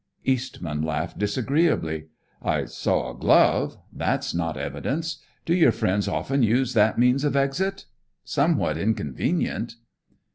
Eastman laughed disagreeably. "I saw a glove. That's not evidence. Do your friends often use that means of exit? Somewhat inconvenient."